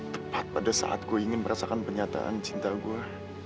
tepat pada saat gue ingin merasakan penyataan cinta gue